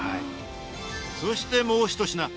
そしてもうひと品。